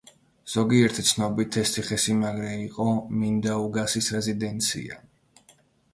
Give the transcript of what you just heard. ზოგიერთი ცნობით ეს ციხესიმაგრე იყო მინდაუგასის რეზიდენცია.